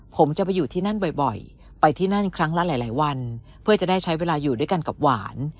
ผมจะไปอยู่ที่นั่นบ่อยไปที่นั่นครั้งละหลายวันเพื่อจะได้ใช้เวลาอยู่ด้วยกันกับหวาน